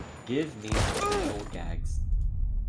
Give me some visual gags.